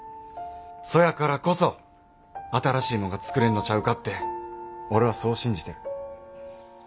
そやからこそ新しいもんが作れんのちゃうかって俺はそう信じてる。